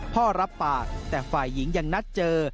รับปากแต่ฝ่ายหญิงยังนัดเจอ